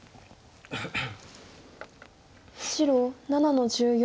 白７の十四。